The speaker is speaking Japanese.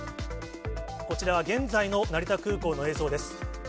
こちらは現在の成田空港の映像です。